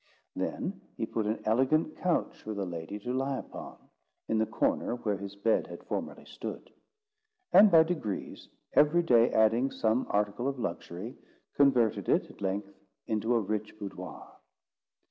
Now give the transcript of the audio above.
Then he put an elegant couch for the lady to lie upon, in the corner where his bed had formerly stood; and, by degrees, every day adding some article of luxury, converted it, at length, into a rich boudoir.